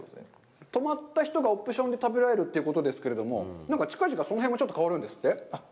泊まった人がオプションで食べられるということですけど、なんか、近々、その辺も変わるんですって？